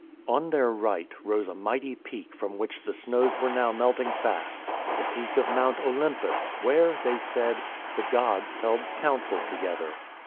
On their right rose a mighty peak from which the snows were now melting fast — the peak of Mount Olympus, where, they said, the gods held counsel to gether.